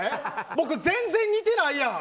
僕、全然似てないやん。